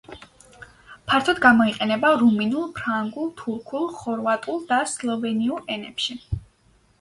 ფართოდ გამოიყენება რუმინულ, ფრანგულ, თურქულ, ხორვატულ და სლოვენიურ ენებში.